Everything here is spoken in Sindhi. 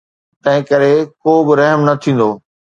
تنهن ڪري ڪو به رحم نه ٿيندو.